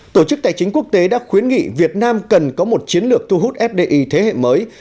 tổ chức tài chính quốc tế đã khuyến nghị việt nam cần có một chiến lược thu hút fdi thế hệ mới